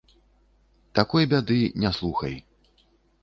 Такой бяды, не слухай.